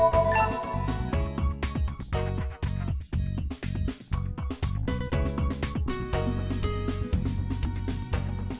trong ngày hôm nay